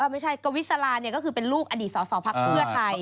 ไม่ใช่กวิสลาก็คือเป็นลูกอดีตสอสอภักดิ์เพื่อไทย